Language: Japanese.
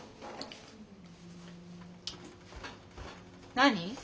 何？